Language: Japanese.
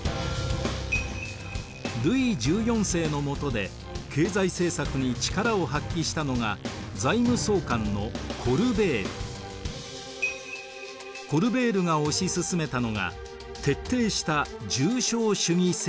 ルイ１４世のもとで経済政策に力を発揮したのがコルベールが推し進めたのが徹底した重商主義政策でした。